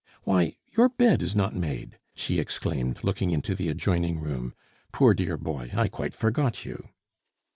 "Why, your bed is not made!" she exclaimed, looking into the adjoining room. "Poor dear boy, I quite forgot you!"